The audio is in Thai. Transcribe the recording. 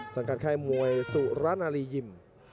สำกัดค่ายมวยสุรรรณารียิม